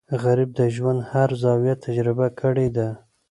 غریب د ژوند هر زاویه تجربه کړې ده